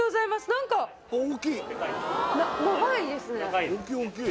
何か長いですね